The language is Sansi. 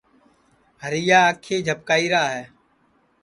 ہریا آنکھی جھپکائیرا ہے